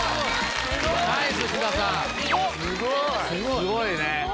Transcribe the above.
すごいね。